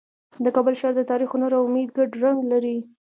د کابل ښار د تاریخ، هنر او امید ګډ رنګ لري.